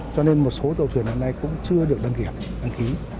cho nên một số tàu thuyền năm nay cũng chưa được đăng kiểm đăng ký